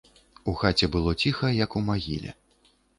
У хаце было ціха, як у магіле.